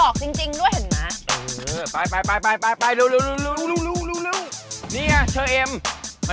ขวานี้นี่เหรอโอเค